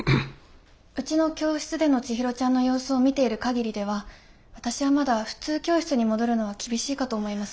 うちの教室でのちひろちゃんの様子を見ている限りでは私はまだ普通教室に戻るのは厳しいかと思います。